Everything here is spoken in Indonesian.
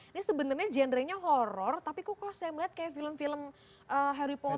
ini sebenarnya genrenya horror tapi kok kalau saya melihat kayak film film harry pot